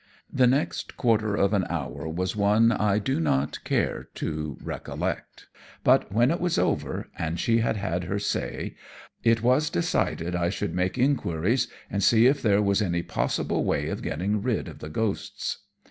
The next quarter of an hour was one I do not care to recollect, but when it was over, and she had had her say, it was decided I should make enquiries and see if there was any possible way of getting rid of the ghosts.